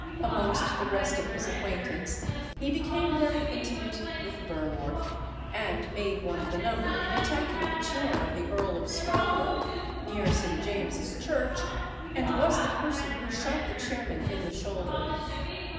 Amongst the rest of his acquaintance, he became very intimate with Burnworth, and made one of the number in attacking the chair of the Earl of Scarborough, near St. James's Church, and was the person who shot the chairman in the shoulder.